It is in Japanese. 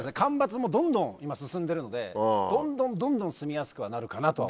間伐もどんどん今進んでるのでどんどんどんどんすみやすくはなるかなとは。